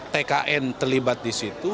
tkn terlibat di situ